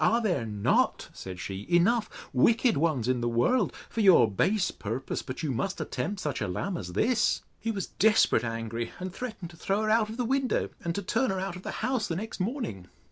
Are there not, said she, enough wicked ones in the world, for your base purpose, but you must attempt such a lamb as this? He was desperate angry, and threatened to throw her out of the window; and to turn her out of the house the next morning.